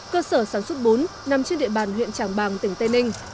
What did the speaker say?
cơ sở sản xuất bún nằm trên địa bàn huyện trảng bàng tỉnh tây ninh